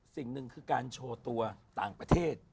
สิ่งหนึ่งคือการโชว์ตัวต่างประเทศ